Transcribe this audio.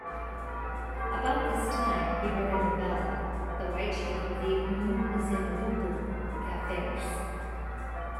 About this time he wrote a novella, "The White Chief of the Umzimbooboo Kaffirs".